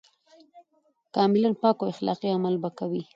کاملاً پاک او اخلاقي عمل به کوي.